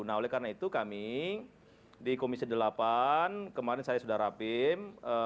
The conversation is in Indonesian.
nah oleh karena itu kami di komisi delapan kemarin saya sudah rapim